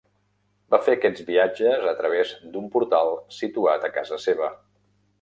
Va fer aquests viatges a través d'un portal situat a casa seva.